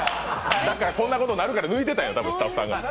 こんなことになるから、抜いていたんですよ、スタッフさんが。